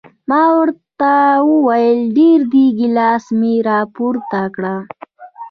ما ورته وویل ډېر دي، ګیلاس مې را پورته کړ.